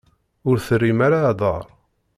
Ur terrim ara aḍar.